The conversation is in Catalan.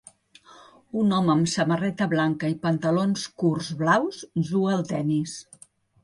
Un home amb samarreta blanca i pantalons curts blaus juga al tennis.